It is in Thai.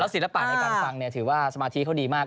ศิลปะในการฟังถือว่าสมาธิเขาดีมาก